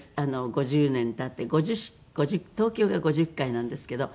５０年経って東京が５０回なんですけど。